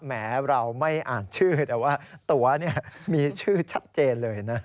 แหมเราไม่อ่านชื่อแต่ว่าตัวมีชื่อชัดเจนเลยนะ